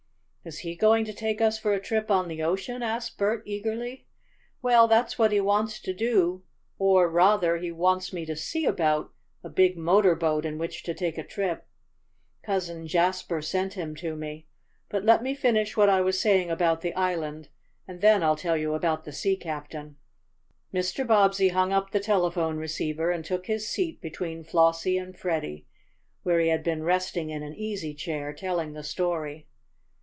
"Is he going to take us for a trip on the ocean?" asked Bert eagerly. "Well, that's what he wants to do, or, rather, he wants me to see about a big motor boat in which to take a trip. Cousin Jasper sent him to me. But let me finish what I was saying about the island, and then I'll tell you about the sea captain." Mr. Bobbsey hung up the telephone receiver and took his seat between Flossie and Freddie where he had been resting in an easy chair, telling the story.